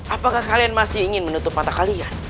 apakah kalian masih ingin menutup mata kalian